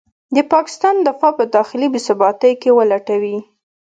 د پاکستان دفاع په داخلي بې ثباتۍ کې ولټوي.